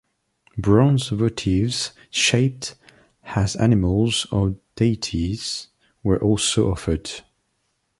Bronze votives shaped as animals or deities were also offered.